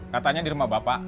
katanya di rumah bapak